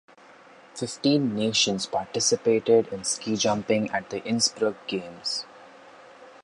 Fifteen nations participated in ski jumping at the Innsbruck Games.